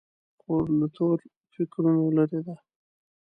خور له تور فکرونو لیرې ده.